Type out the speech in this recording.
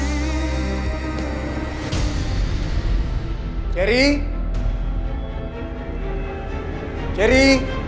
ya udah aku bisa pergi